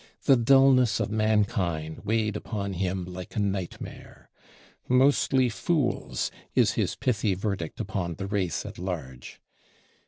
The dullness of mankind weighed upon him like a nightmare. "Mostly fools" is his pithy verdict upon the race at large.